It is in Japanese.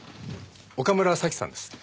岡村咲さんです。